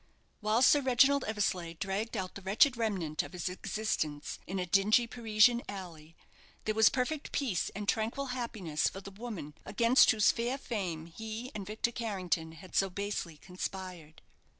While Sir Reginald Eversleigh dragged out the wretched remnant of his existence in a dingy Parisian alley, there was perfect peace and tranquil happiness for the woman against whose fair fame he and Victor Carrington had so basely conspired.